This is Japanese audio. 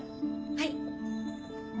はい。